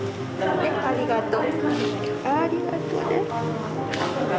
はいありがとう。